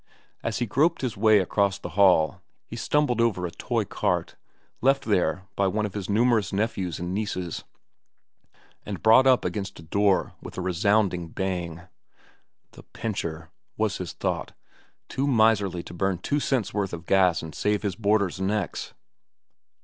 As he groped his way across the hall he stumbled over a toy cart, left there by one of his numerous nephews and nieces, and brought up against a door with a resounding bang. "The pincher," was his thought; "too miserly to burn two cents' worth of gas and save his boarders' necks."